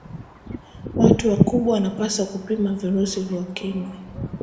watu wakubwa wanapaswa kupima virusi vya ukimwi